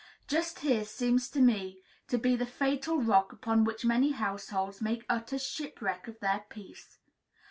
Just here seems to me to be the fatal rock upon which many households make utter shipwreck of their peace.